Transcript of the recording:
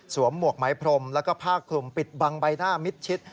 หมวกไหมพรมแล้วก็ผ้าคลุมปิดบังใบหน้ามิดชิด